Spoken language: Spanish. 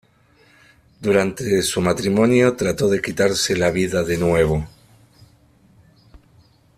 Durante su matrimonio trato de quitarse la vida de nuevo.